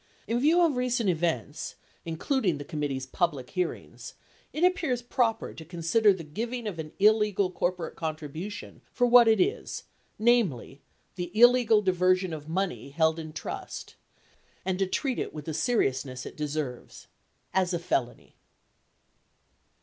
34 In view of recent events, including the committee's public hearings, it appears proper to consider the giving of an illegal corporate con tribution for what it is, namely, the illegal diversion of money held in trust, and to treat it with the seriousness it deserves— as a felony.